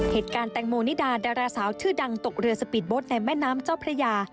เหตุการณ์แตงโมนิดาดาราสาวชื่อดังตกเรือสปีดโบ๊ทในแม่น้ำเจ้าพระยา